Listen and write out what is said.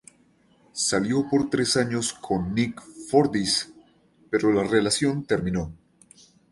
Salió por tres años con Nick Fordyce, pero la relación terminó.